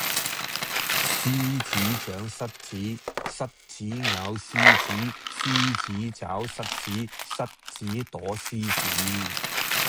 獅子長蝨子，蝨子咬獅子，獅子抓蝨子，蝨子躲獅子